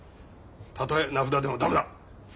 たとえ名札でも駄目だ！